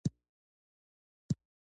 تا غوندې یو څوک د ښې بېلګې په توګه وښیي.